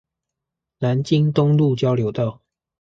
南京東路交流道